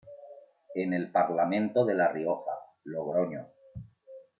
En el Parlamento de La Rioja, Logroño.